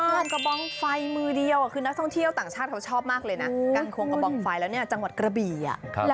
การกระบองไฟมือเดียวคือนักท่องเที่ยวต่างชาติเขาชอบมากเลยนะการควงกระบองไฟแล้วเนี่ยจังหวัดกระบี่อ่ะ